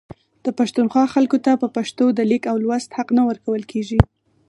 د پښتونخوا خلکو ته په پښتو د لیک او لوست حق نه ورکول کیږي